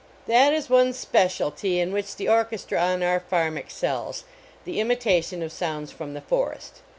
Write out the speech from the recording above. That is one specialty in which the orches tra on our farm excels the imitation of sounds from the forest.